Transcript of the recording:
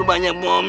dia biasanya fokus